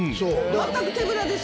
全く手ぶらです。